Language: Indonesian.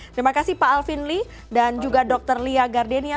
terima kasih pak alvin lee dan juga dr lia gardenia